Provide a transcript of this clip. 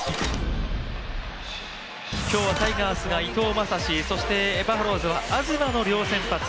今日はタイガースが伊藤将司、そしてバファローズは東の両先発。